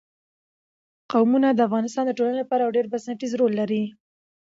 قومونه د افغانستان د ټولنې لپاره یو ډېر بنسټيز رول لري.